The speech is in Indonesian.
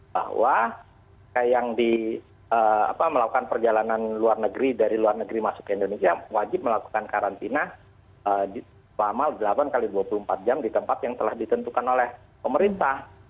bahwa yang melakukan perjalanan luar negeri dari luar negeri masuk ke indonesia wajib melakukan karantina selama delapan x dua puluh empat jam di tempat yang telah ditentukan oleh pemerintah